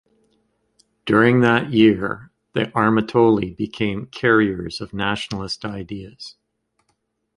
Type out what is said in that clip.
During that year the armatoloi became carriers of nationalist ideas.